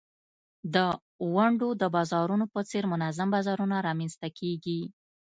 د ونډو د بازارونو په څېر منظم بازارونه رامینځته کیږي.